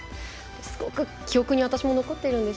すごく私も記憶に残っています。